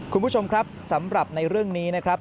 คุณผู้ชมครับสำหรับในเรื่องนี้นะครับ